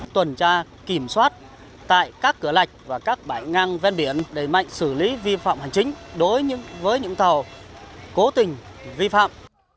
tuần tra kiểm soát tại các cửa lạch và các bãi ngang ven biển đẩy mạnh xử lý vi phạm hành chính đối với những tàu cố tình vi phạm